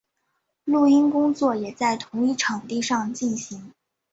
录音工作也在同一场地上进行。